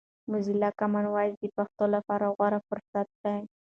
موزیلا کامن وایس د پښتو لپاره غوره فرصت دی.